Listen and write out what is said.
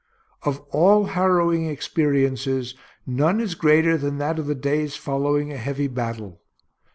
Of all harrowing experiences, none is greater than that of the days following a heavy battle.